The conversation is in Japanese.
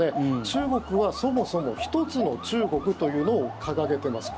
中国はそもそも一つの中国というのを掲げています。